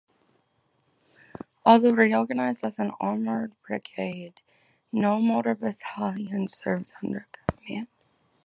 Although reorganized as an armoured brigade, no motor battalion served under command.